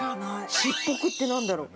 ◆卓袱って、何だろう。